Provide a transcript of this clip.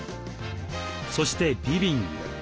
そしてリビング。